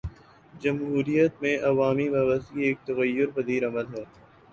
جمہوریت میں عوامی وابستگی ایک تغیر پذیر عمل ہے۔